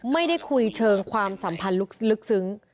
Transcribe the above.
ไม่ได้คุยเชิงความสัมพันธ์ลึกซึ้ง